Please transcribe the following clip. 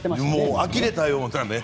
あきれたようなね。